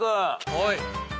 はい。